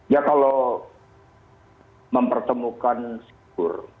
ya kalau mempertemukan figur